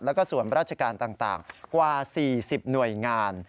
และก็ศูนย์พระราชการต่างกว่า๔๐หน่วยงาน